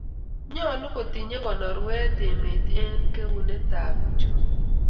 Nyolu kotinyei konorweet emet eng koetunetab uchumi